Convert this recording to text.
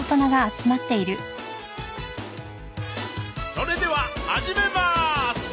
それでは始めます！